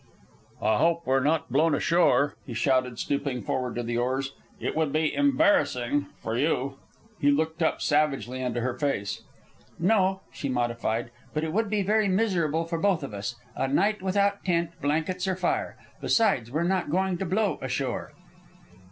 "I hope we're blown ashore," he shouted, stooping forward to the oars. "It would be embarrassing for you." He looked up savagely into her face. "No," she modified; "but it would be very miserable for both of us, a night without tent, blankets, or fire. Besides, we're not going to blow ashore."